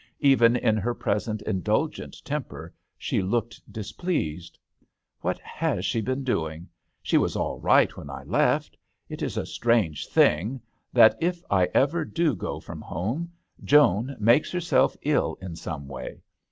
Even in her present indul gent temper she looked displeased, "What has she been doing? She was all right when I left. It is a strange thing that if I ever do go from home, Joan makes herself ill in some way.